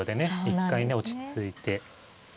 一回ね落ち着いて。